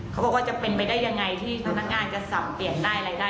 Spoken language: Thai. เขาบอกว่าจะเป็นไปได้ยังไงที่พนักงานจะสับเปลี่ยนได้รายได้